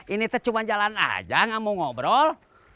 ini tuh cuma jalan aja gak mau ngobrol